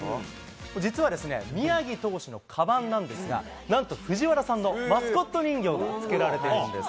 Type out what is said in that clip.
実は宮城投手のかばんなんですが、なんと藤原さんのマスコット人形そうなの？